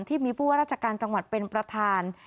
ที่มีผู้ว่าราชการจังหวัดเป็นประธาน